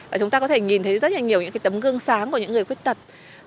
và chúng ta có thể nhìn thấy rất nhiều những tấm gương sáng của những người khuyết tật